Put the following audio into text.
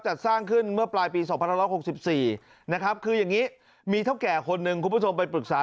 จัดสร้างขึ้นเมื่อปลายปี๒๑๖๔นะครับคืออย่างนี้มีเท่าแก่คนหนึ่งคุณผู้ชมไปปรึกษา